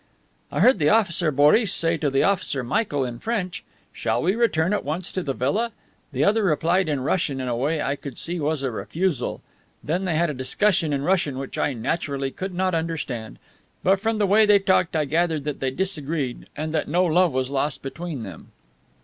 "I heard the officer Boris say to the officer Michael, in French, 'Shall we return at once to the villa?' The other replied in Russian in a way I could see was a refusal. Then they had a discussion in Russian which I, naturally, could not understand. But from the way they talked I gathered that they disagreed and that no love was lost between them."